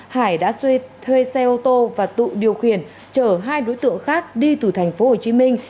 hải đã thuê xe ô tô và tự điều khiển chở hai đối tượng khác đi từ thành phố hồ chí minh